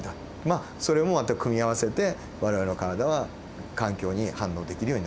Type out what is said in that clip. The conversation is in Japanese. まあそれもまた組み合わせて我々の体は環境に反応できるようになっていると。